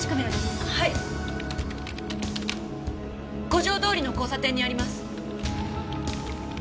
五条通の交差点にあります。